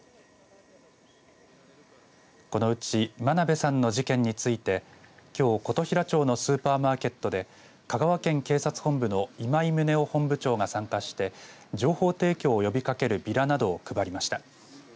このうち真鍋さんの事件についてきょう琴平町のスーパーマーケットで香川県警察本部の今井宗雄本部長が参加して情報提供を呼びかけるビラなどを配りました。